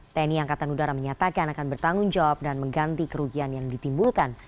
tni angkatan udara menyatakan akan bertanggung jawab dan mengganti kerugian yang ditimbulkan